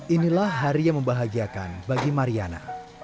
inilah hari yang membahagiakan bagi mariana